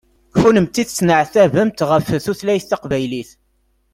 Kunemti tettneɛtabemt ɣef tutlayt taqbaylit.